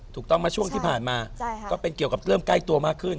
ถูกต้องไหมช่วงที่ผ่านมาก็เป็นเกี่ยวกับเริ่มใกล้ตัวมากขึ้น